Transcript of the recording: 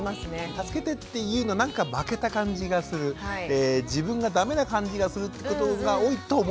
助けてって言うのなんか負けた感じがする自分が駄目な感じがするってことが多いと思うんですよきっとね。